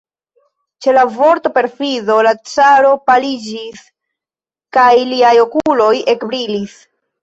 Ĉe la vorto "perfido" la caro paliĝis, kaj liaj okuloj ekbrilis.